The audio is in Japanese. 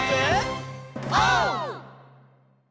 オー！